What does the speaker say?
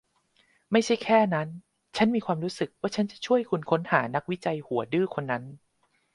ไม่ใช่แค่นั้น ฉันมีความรู้สึกว่าฉันจะช่วยคุณค้นหานักวิจัยหัวดื้อคนนั้น